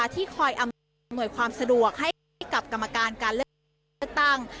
ที่คอยอำนวยความสะดวกให้กับกรรมการการเลือกตั้ง